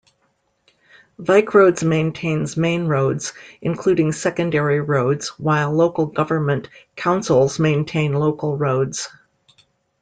Vicroads maintains main roads, including secondary roads, while local government councils maintain local roads.